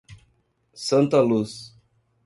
Santa Luz